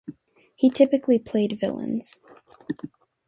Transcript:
He typically played villains.